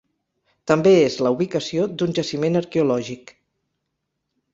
També és la ubicació d'un jaciment arqueològic.